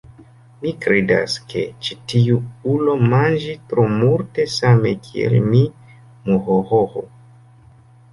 Mi kredas ke ĉi tiu ulo manĝi tro multe same kiel mi muhohoho